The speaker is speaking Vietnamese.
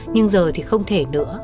nhưng giờ thì không thể nữa